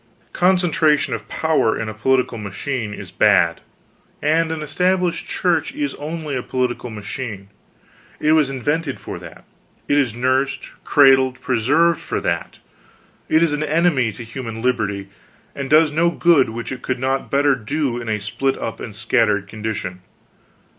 Concentration of power in a political machine is bad; and an Established Church is only a political machine; it was invented for that; it is nursed, cradled, preserved for that; it is an enemy to human liberty, and does no good which it could not better do in a split up and scattered condition.